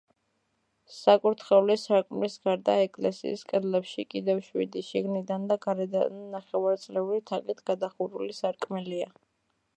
საკურთხევლის სარკმლის გარდა ეკლესიის კედლებში კიდევ შვიდი, შიგნიდან და გარედან, ნახევარწრიული თაღით გადახურული სარკმელია.